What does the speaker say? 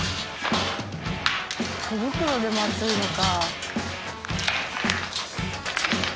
手袋でも熱いのか。